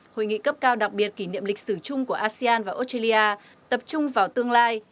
hội nghị cấp cao đặc biệt kỷ niệm lịch sử chung của asean và australia tập trung vào tương lai